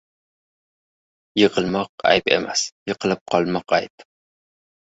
• Yiqilmoq ayb emas, yiqilib qolmoq ayb.